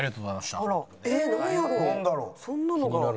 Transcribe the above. そんなのが。